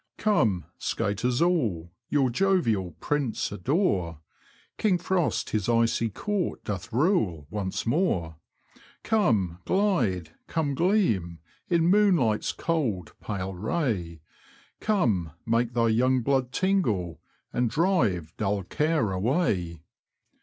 Come, skaters all, your jovial prince adore ! King Frost his icy court doth rule once more; Come, glide; come, gleam. In moonlight's cold, pale ray; Come, make thy young blood tingle. And drive dull care away.